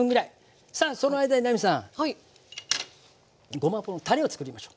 ごまポンたれを作りましょう。